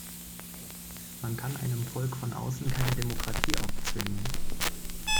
Man kann einem Volk von außen keine Demokratie aufzwingen.